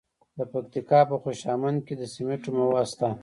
د پکتیکا په خوشامند کې د سمنټو مواد شته.